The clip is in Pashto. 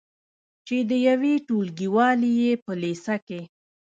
چې د یوې ټولګیوالې یې په لیسه کې